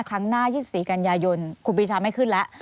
ครั้งหน้า๒๔กันยายนครูปีชาไม่ขึ้นแล้ว